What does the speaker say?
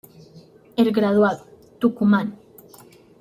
El Graduado, Tucumán.